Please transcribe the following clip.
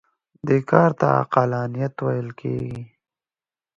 دې کار ته عقلانیت ویل کېږي.